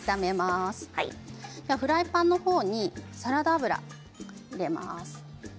フライパンにサラダ油を入れます。